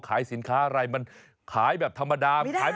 ข่าวขำ